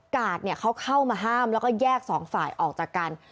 กาดเขาเข้ามาห้ามแล้วก็แยกสองฝ่ายออกจากกัน